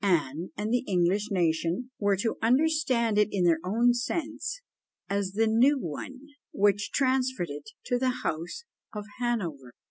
Anne and the English nation were to understand it in their own sense as the new one, which transferred it to the house of Hanover!